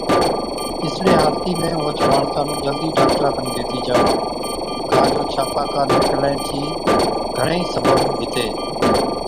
اِسڙِي حالتِي ۾ اوهچ ماڻسا نُون جلدِي ڊاڪٽرا کن گيهٿِي جاوا، ڪان جو ڇاپاڪا نِڪرڻي چي گھڻي ئِي سبب هِتي۔